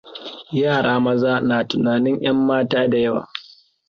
Yara maza na tunanin 'yanmata da yawa.